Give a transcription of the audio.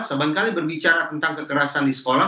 seban kali berbicara tentang kekerasan di sekolah